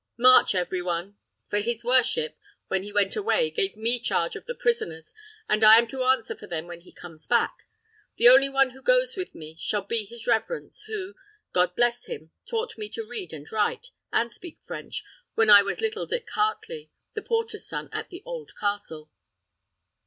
March every one; for his worship, when he went away, gave me charge of the prisoners, and I am to answer for them when he comes back. The only one who goes with me shall be his reverence, who, God bless him, taught me to read and write, and speak French, when I was little Dick Heartley, the porter's son at the old castle."